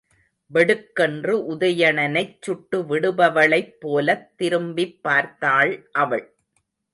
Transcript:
வெடுக்கென்று உதயணனைச் சுட்டுவிடுபவளைப்போலத் திரும்பிப் பார்த்தாள் அவள்.